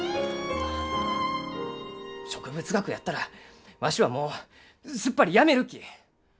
植物学やったらわしはもうすっぱりやめるき！